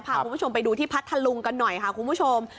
พาคุณผู้ชมไปดูที่พัทธลุงกันหน่อยค่ะคุณผู้ชม